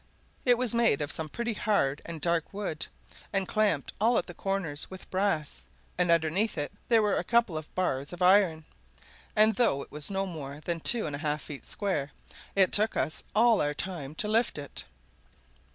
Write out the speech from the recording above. It was made of some very hard and dark wood, and clamped at all the corners with brass, and underneath it there were a couple of bars of iron, and though it was no more than two and a half feet square, it took us all our time to lift it.